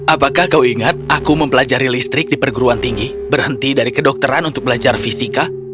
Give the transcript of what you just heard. apakah kau ingat aku mempelajari listrik di perguruan tinggi berhenti dari kedokteran untuk belajar fisika